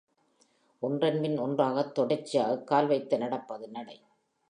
ஒன்றன் பின் ஒன்றாகத் தொடர்ச்சியாகக் கால் வைத்து நடப்பது நடை.